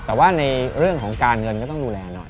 แต่ว่าในเรื่องของการเงินก็ต้องดูแลหน่อย